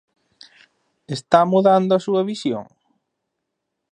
Está mudando a súa visión?